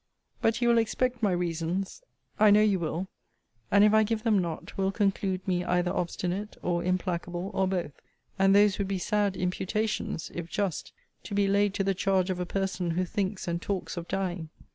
'But you will expect my reasons; I know you will: and if I give them not, will conclude me either obstinate, or implacable, or both: and those would be sad imputations, if just, to be laid to the charge of a person who thinks and talks of dying.